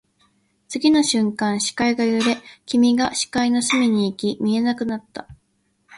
次の瞬間、視界が揺れ、君が視界の隅に行き、見えなくなった